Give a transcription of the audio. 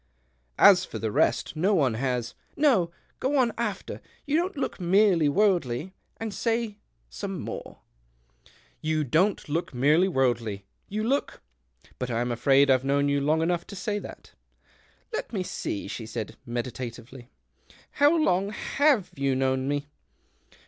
" As for the rest, no one has "" No ; go on after ' You don't look merely worldly,' and say some more." " You don't look merely worldly. You look — but I'm afraid I've not known you long enough to say that." " Let me see," she said meditatively, " how long have you known me